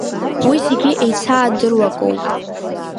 Уи зегьы еицаадыруа акоуп.